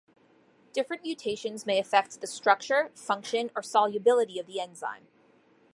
Different mutations may affect the structure, function or solubility of the enzyme.